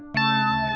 coba aja pegang